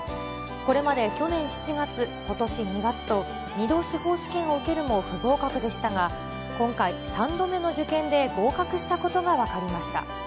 これまで去年７月、ことし２月と、２度、司法試験を受けるも不合格でしたが、今回、３度目の受験で合格したことが分かりました。